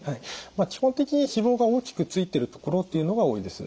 まあ基本的に脂肪が大きくついてるところっていうのが多いです。